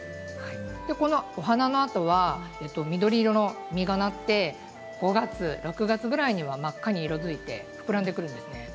このお花のあとは緑色の実がなって５月、６月くらいには真っ赤に色づいて膨らんでくるんですね。